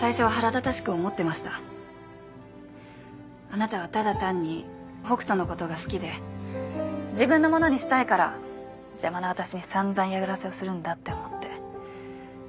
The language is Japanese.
あなたはただ単に北斗のことが好きで自分のものにしたいから邪魔な私に散々嫌がらせをするんだって思って。